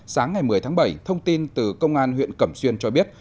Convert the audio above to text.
sáng ngày một mươi tháng bảy thông tin từ công an huyện cẩm xuyên cho biết